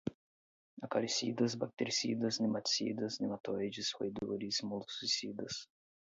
acaricidas, bactericidas, nematicidas, nematoides, roedores, moluscicidas